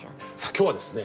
今日はですね